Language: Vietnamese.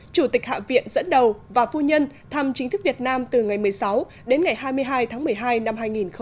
chủ tịch hạ viện dẫn đầu và phu nhân thăm chính thức việt nam từ ngày một mươi sáu đến ngày hai mươi hai tháng một mươi hai năm hai nghìn một mươi chín